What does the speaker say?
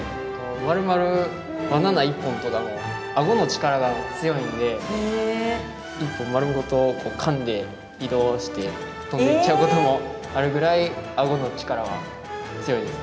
まるまるバナナ１本とかもアゴのチカラが強いんで１本丸ごとこうかんで移動して飛んでいっちゃうこともあるぐらいアゴのチカラは強いですね。